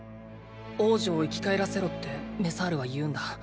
王女を生き返らせろってメサールは言うんだ。